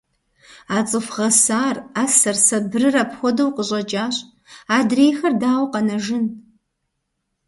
А цӀыху гъэсар, Ӏэсэр, сабырыр апхуэдэу къыщӀэкӀащ, адрейхэр дауэ къэнэжын?